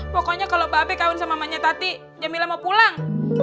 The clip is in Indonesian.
pokoknya kalau mbak be kawan sama maknya tati jamila mau pulang